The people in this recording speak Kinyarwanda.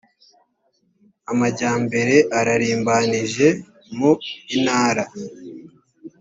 amajyambere ararimbanije mu intara